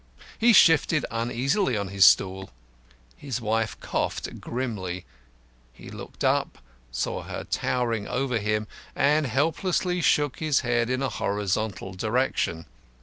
He shifted uneasily on his stool. His wife coughed grimly. He looked up, saw her towering over him, and helplessly shook his head in a horizontal direction.